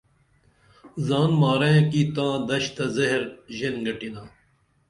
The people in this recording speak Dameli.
زان مارئیں کی تاں دش تہ زہر ژین گٹِنا